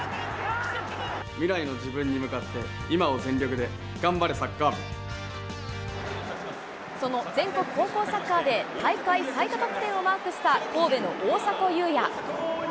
未来の自分に向かって、その全国高校サッカーで、大会最多得点をマークした神戸の大迫勇也。